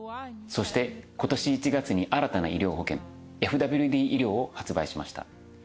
そして今年１月に新たな医療保険ＦＷＤ医療を発売しました。